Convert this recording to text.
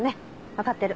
分かってる。